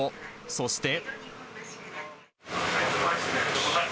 そして。